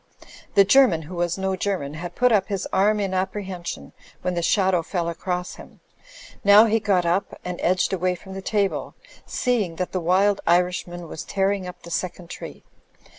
The German, who was no German, had put up his arm in apprehension when the shadow fell across him. Now he got up and edged away from the table ; seeing that the wild Irishman was tearing up the second tree.